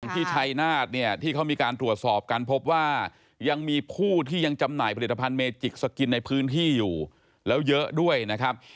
ที่ชัยนาธเนี่ยที่เขามีการตรวจสอบกันพบว่ายังมีผู้ที่ยังจำหน่ายผลิตภัณฑ์เมจิกสกินในพื้นที่อยู่แล้วเยอะด้วยนะครับ